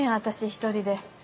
私１人で。